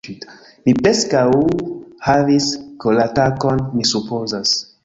Mi preskaŭ havis koratakon, mi supozas.